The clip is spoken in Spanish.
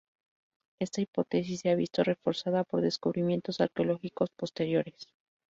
Esta hipótesis se ha visto reforzada por descubrimientos arqueológicos posteriores.